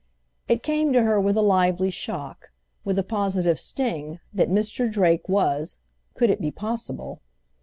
It came to her with a lively shock, with a positive sting, that Mr. Drake was—could it be possible?